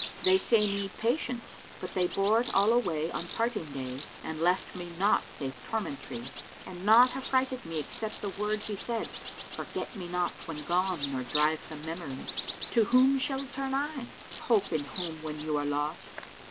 They say me, 'Patience!' But they bore it all away: * On parting day, and left me naught save tormentry. And naught affrighted me except the word he said, * 'Forget me not when gone nor drive from memory.' To whom shall turn I? hope in whom when you are lost?